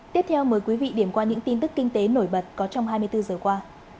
tiếp theo mời quý vị điểm qua những tin tức kinh tế nổi bật có trong hai mươi bốn giờ qua